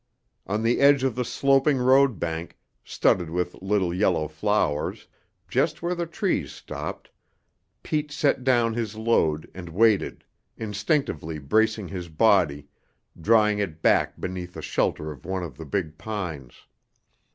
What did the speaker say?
On the edge of the sloping road bank, studded with little yellow flowers, just where the trees stopped, Pete set down his load and waited, instinctively bracing his body, drawing it back beneath the shelter of one of the big pines.